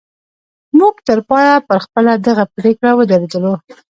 موږ تر پایه پر خپله دغه پرېکړه ودرېدو